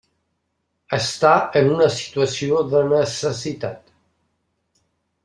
Està en una situació de necessitat.